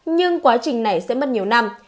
nhưng quá trình này sẽ mất nhiều năm